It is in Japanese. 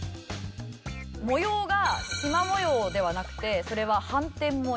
模様がしま模様ではなくてそれは斑点模様。